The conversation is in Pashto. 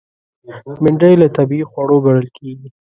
بېنډۍ له طبیعي خوړو ګڼل کېږي